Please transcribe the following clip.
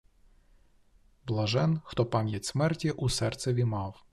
Блажен, хто пам’ять смерті у серцеві мав.